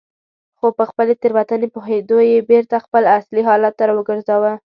خو په خپلې تېروتنې پوهېدو یې بېرته خپل اصلي حالت ته راوګرځاوه.